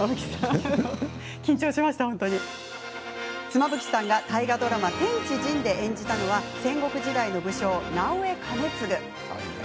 妻夫木さんが大河ドラマ「天地人」で演じたのは戦国時代の武将・直江兼続。